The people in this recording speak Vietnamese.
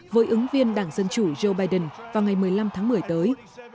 với ứng viên đảng dân chủ joe biden vào ngày một mươi năm tháng một mươi tới